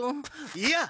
いや！